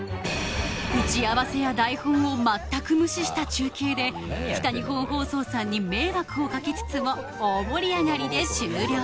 打ち合わせや台本を全く無視した中継で北日本放送さんに迷惑をかけつつも大盛り上がりで終了